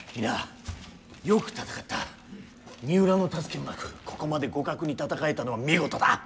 三浦の助けもなくここまで互角に戦えたのは見事だ。